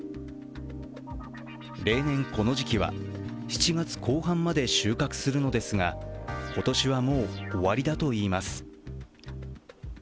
例年、この時期は７月後半まで収穫するのですが、今年はもう終わりだといいます。